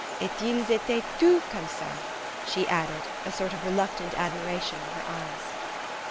"Et ils etaient tous comme ca," she added, a sort of reluctant admiration in her eyes.